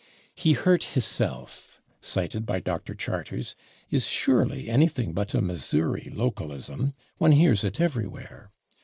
"He hurt /his/self," cited by Dr. Charters, is surely anything but a Missouri localism; one hears it everywhere.